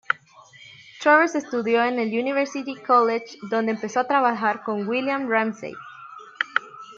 Travers estudió en el University College, donde empezó a trabajar con William Ramsay.